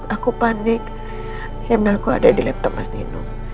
aku panik emailku ada di laptop mas nino